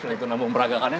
nah itu nama memeragakannya